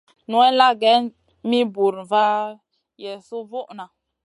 Nowella geyn mi buur ma yesu vuʼna.